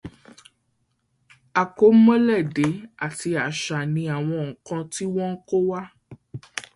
Akọ́mọlédè àti Àṣà ni àwọn nǹkan tí wọ́n kọ́ wa